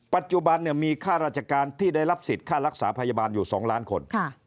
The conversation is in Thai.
ปัจจุบันมีค่าราชการที่ได้รับสิทธิ์ค่ารักษาพยาบาลอยู่๒ล้านคน